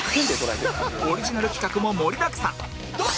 オリジナル企画も盛りだくさん